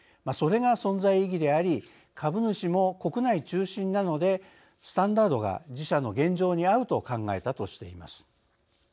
それが存在意義であり株主も国内中心なのでスタンダードが自社の現状に合うと考えたとしています。